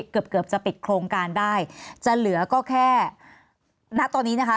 เกือบเกือบจะปิดโครงการได้จะเหลือก็แค่ณตอนนี้นะคะ